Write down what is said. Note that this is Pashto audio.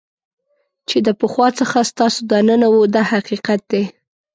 چې د پخوا څخه ستاسو دننه وو دا حقیقت دی.